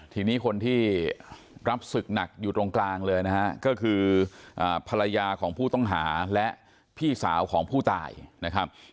ทีนี้คนที่รับศึกหนักอยู่ตรงกลางเลยนะฮะก็คือภรรยาของผู้ต้องหาและพี่สาวของผู้ตายนะครับ